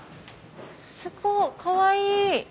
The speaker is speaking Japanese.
すごいかわいい！